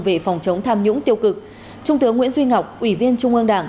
về phòng chống tham nhũng tiêu cực trung tướng nguyễn duy ngọc ủy viên trung ương đảng